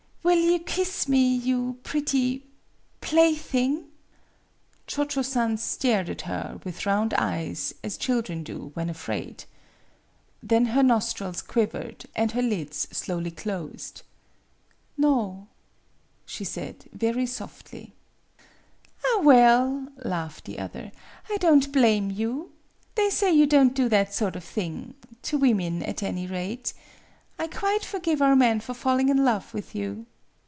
Will you kiss me, you pretty plaything! " Cho Cho San stared at her with round eyes as children do when afraid. Then her nostrils quivered and her lids slowly closed. "No," she said, very softly. "Ah, well," laughed the other, "I don't blame you. They say you don't do that sort of thing to women, at any rate. I quite forgive our men for falling in love with you.